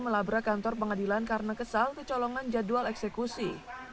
melabrak kantor pengadilan karena kesal kecolongan jadwal eksekusi